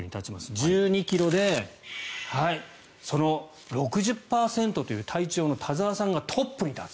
１２ｋｍでその６０％という体調の田澤さんがトップに立つ。